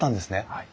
はい。